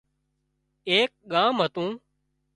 ايڪ ڳام هتون